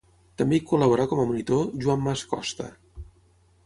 També hi col·laborà com a monitor, Joan Mas Costa.